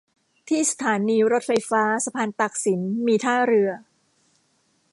ที่สถานีรถไฟฟ้าสะพานตากสินมีท่าเรือ